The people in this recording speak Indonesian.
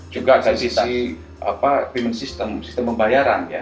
juga dari sisi payment system sistem pembayaran ya